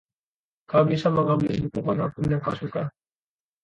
Kau bisa mengambil buku manapun yang kau suka.